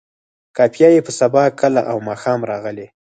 قافیه یې په سبا، کله او ماښام راغلې.